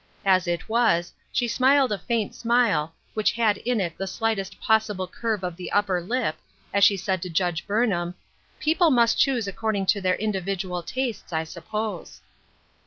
As it was, she smiled a faint smile, which had in it the slightest possible curve of the upper lip, as she said to Judge Burnham, " People must choose according to their individual tastes, I suppose."